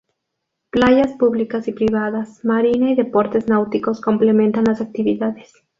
Playas públicas y privadas, marina y deportes náuticos, complementan las actividades.